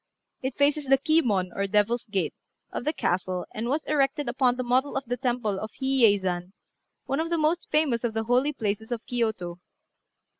It faces the Ki mon, or Devil's Gate, of the castle, and was erected upon the model of the temple of Hi yei zan, one of the most famous of the holy places of Kiyôto.